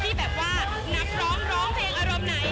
ที่แบบว่านักร้องร้องเพลงอารมณ์ไหน